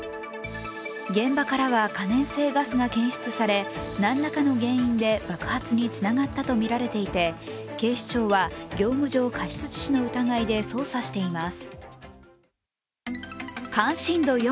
現場からは可燃性ガスが検出され何らかの原因で爆発につながったとみられていて警視庁は業務上過失致死の疑いで捜査しています。